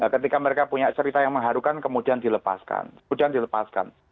ketika mereka punya cerita yang mengharukan kemudian dilepaskan